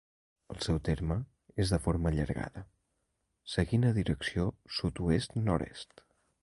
El seu terme és de forma allargada, seguint a direcció sud-oest nord-est.